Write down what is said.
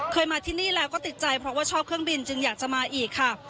มาที่นี่แล้วก็ติดใจเพราะว่าชอบเครื่องบินจึงอยากจะมาอีกค่ะ